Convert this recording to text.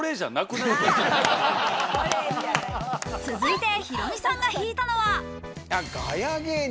続いてヒロミさんが引いたのガヤ芸人。